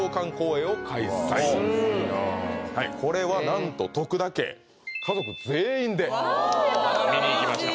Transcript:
これはなんと徳田家家族全員で見に行きました